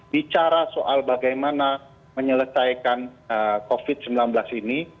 bicara soal bagaimana menyelesaikan covid sembilan belas ini